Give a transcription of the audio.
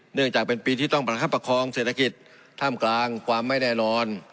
เนื่องจากเป็นปีที่ต้องประคับประคองเศรษฐกิจท่ามกลางความไม่แน่นอน